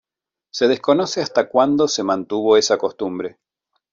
Se desconoce hasta cuando se mantuvo esta costumbre.